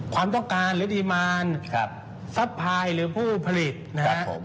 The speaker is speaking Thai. ความต้องการหรือปริมาณซัพพายหรือผู้ผลิตนะครับผม